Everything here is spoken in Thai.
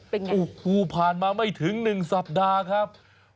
เป็นอย่างไรอุ้โหผ่านมาไม่ถึงหนึ่งสัปดาห์ครับ